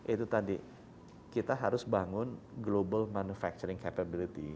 itu tadi kita harus bangun global manufacturing capability